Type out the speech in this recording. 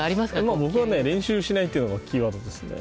僕は練習しないというのがキーワードですね。